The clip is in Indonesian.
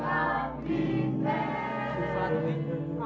aku seorang kapiter